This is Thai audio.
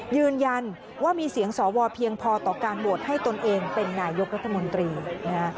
ยืนยันว่ามีเสียงสวเพียงพอต่อการโหวตให้ตนเองเป็นนายกรัฐมนตรีนะฮะ